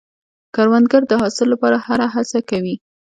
کروندګر د حاصل لپاره هره هڅه کوي